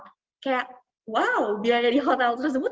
jadi saya bilang wow biar jadi hotel tersebut